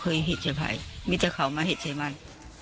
เขาไม่เคยเข้ามาเขาจะโชคมั่น